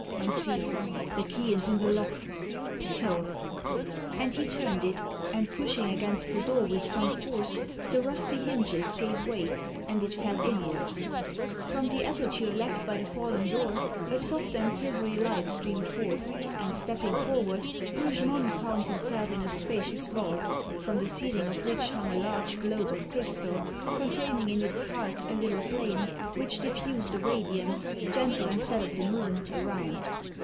And see, the key is in the lock. So!" And he turned it, and pushing against the door with some force, the rusty hinges gave way, and it fell inwards. [Illustration: The Tomb of the Rosicrucian.] From the aperture left by the fallen door, a soft and silvery light streamed forth, and, stepping forward, Rougemont found himself in a spacious vault, from the ceiling of which hung a large globe of crystal, containing in its heart a little flame, which diffused a radiance, gentle as that of the moon, around.